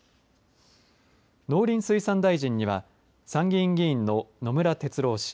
農林水産大臣には参議院議員の野村哲郎氏